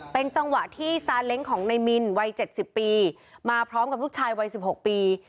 เป็นจังหวะที่ซาเล้งของในมินวัย๗๐ปีมาพร้อมกับลูกชายวัย๑๖ปี